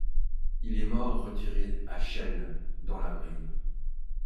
Il est mort retiré à Chelles dans la Brie.